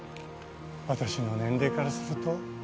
私の年齢からすると